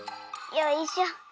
よいしょ。